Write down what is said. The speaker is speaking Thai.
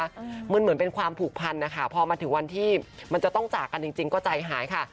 อืมมันเหมือนเป็นความผูกพันนะคะพอมาถึงวันที่มันจะต้องจากกันจริงจริงก็ใจหายค่ะ